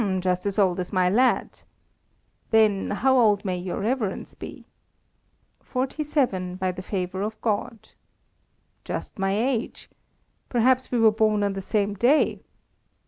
"Just as old as my lad. Then, how old may your Reverence be." "Forty seven, by the favour of God." "Just my age. Perhaps we were born on the same day."